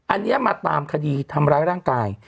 อันนี้มาตามคดีทำร้ายร่างกาย